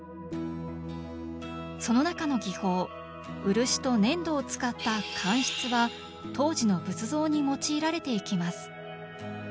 その中の技法漆と粘土を使った乾漆は当時の仏像に用いられていきます。